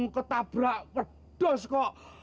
ketabrak pedas kok